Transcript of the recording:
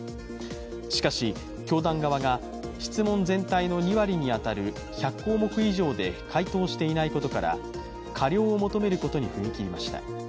しかし、教団側が質問全体の２割に当たる１００項目以上で回答していないことから過料を求めることに踏み切りました。